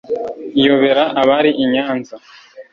iyobera abari i Nyanza